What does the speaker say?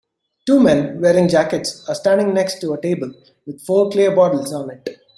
Two men wearing jackets are standing next to a table with four clear bottles on it.